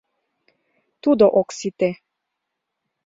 — Тудо ок сите.